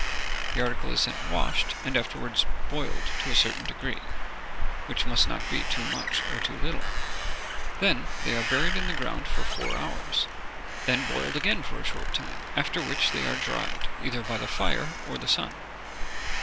The article is then washed, and afterward boiled to a certain degree, which must not be too much or too little. They are then buried in the ground for four hours, then boiled again for a short time, after which they are dried, either by the fire or the sun.